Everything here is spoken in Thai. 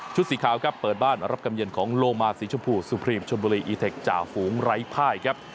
ชุดสีขาวเปิดบ้านรับกำเย็นของโลมาสีชมพูซูพรีมชุมบุรีอีเทคจ่าฝูงไร้พ่ายครับ